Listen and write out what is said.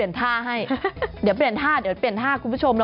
ใจตลอดเถ